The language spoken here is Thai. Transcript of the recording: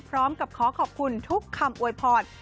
พร้อมกับขอขอบคุณทุกคำอวยพร